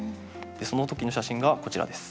その時の写真がこちらです。